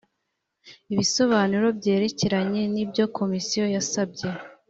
ibisobanuro byerekeranye n’ibyo komisiyo yasabye